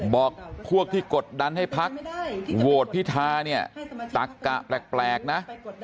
บอกพวกที่กดดันให้พักโหวตพิธาเนี่ยตักกะแปลกนะ